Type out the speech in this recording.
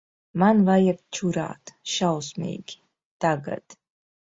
Man vajag čurāt. Šausmīgi. Tagad.